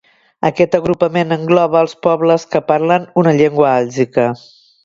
Aquest agrupament engloba els pobles què parlen una llengua àlgica.